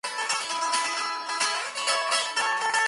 Gallen suizo como en el TuS Nettelstedt-Lübbecke alemán.